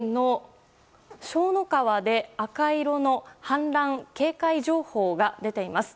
また、現在は福井県のショウノ川で赤色の氾濫警戒情報が出ています。